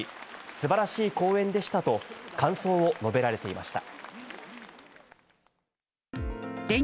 素晴らしい講演でしたと感想を述べられていました。